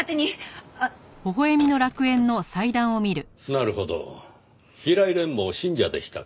なるほど平井蓮も信者でしたか。